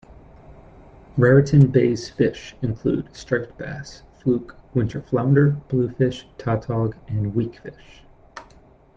Raritan Bay's fish include striped bass, fluke, winter flounder, bluefish, tautog and weakfish.